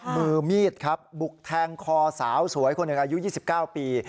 มือมีดครับบุกแทงคอสาวสวยคนอายุยี่สิบเก้าปี